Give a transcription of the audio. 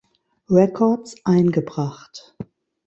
Records eingebracht.